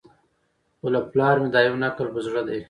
خو له پلاره مي دا یو نکل په زړه دی